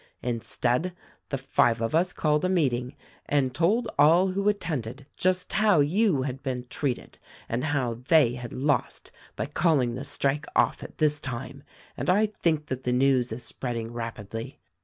Instead, the five of us called a meeting and told all who attended just how you had been treated and how they had lost by calling the strike off at this time ; and I think that the news is spreading rapidly.